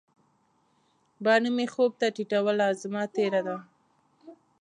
باڼه مي خوب ته ټیټوله، زمانه تیره ده